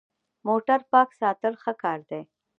موټر پاک ساتل ښه کار دی.